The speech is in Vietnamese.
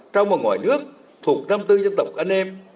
trong và ngoài nước thuộc năm tư dân tộc anh em